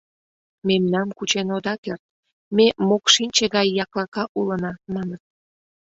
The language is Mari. — Мемнам кучен ода керт, ме мокшинче гай яклака улына, — маныт.